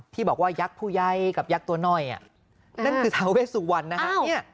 ที่บอกว่ายักษ์ผู้ใยกับยักษ์ตัวน้อยนั่นคือทาเวสุวรรณนะฮะ